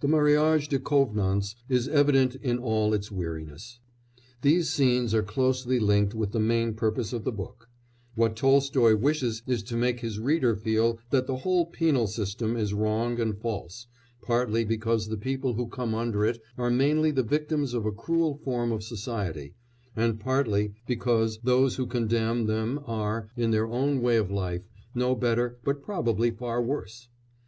The mariage de convenance is evident in all its weariness. These scenes are closely linked with the main purpose of the book: what Tolstoy wishes is to make his reader feel that the whole penal system is wrong and false, partly because the people who come under it are mainly the victims of a cruel form of society, and partly because those who condemn them are, in their own way of life, no better but probably far worse.